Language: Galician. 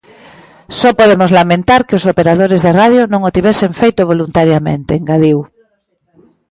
"Só podemos lamentar que os operadores de radio non o tivesen feito voluntariamente", engadiu.